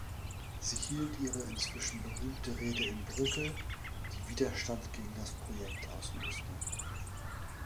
Sie hielt ihre inzwischen berühmte Rede in Brügge, die Widerstand gegen das Projekt auslöste.